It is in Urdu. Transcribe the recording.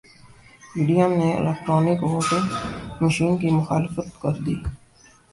پی ڈی ایم نے الیکٹرانک ووٹنگ مشین کی مخالفت کردی